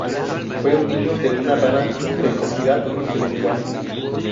Fue un niño de una rara precocidad intelectual.